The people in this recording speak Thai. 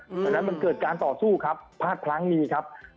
เพราะฉะนั้นมันเกิดการต่อสู้ครับพลาดพลั้งมีครับ